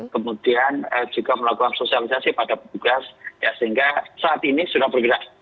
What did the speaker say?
kemudian juga melakukan sosialisasi pada petugas sehingga saat ini sudah bergerak